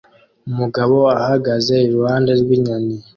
Umugabo ahagaze iruhande rw'inyoni